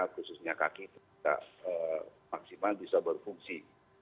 khususnya kaki maksimal bisa berfungsi